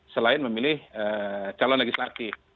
selain memilih calon legislatif